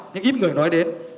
nhưng ít người nói đến